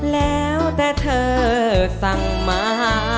แล้วแต่เธอสั่งมา